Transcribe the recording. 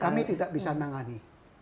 kami tidak bisa menangani